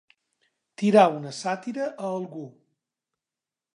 Tirar una sàtira a algú.